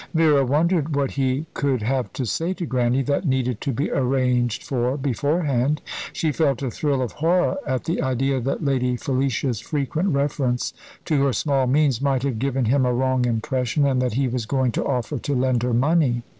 Vera wondered what he could have to say to Grannie that needed to be arranged for beforehand. She felt a thrill of horror at the idea that Lady Felicia's frequent reference to her small means might have given him a wrong impression, and that he was going to offer to lend her money.